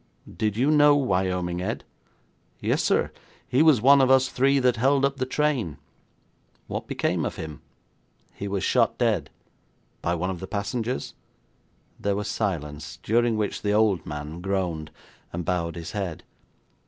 'Did you know Wyoming Ed?' 'Yes, sir, he was one of us three that held up the train.' 'What became of him?' 'He was shot dead.' 'By one of the passengers?' There was silence, during which the old man groaned, and bowed his head.